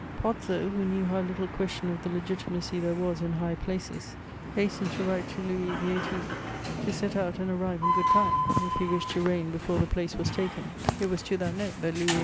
Pozzo, who knew how little question of the Legitimacy there was in high places, hastened to write to Louis XVIII. to set out and arrive in good time, if he wished to reign before the place was taken: it was to that note that Louis XVIII.